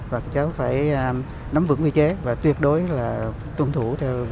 và cháu phải nắm vững vị trí và tuyệt đối là tuân thủ